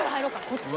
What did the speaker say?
こっち。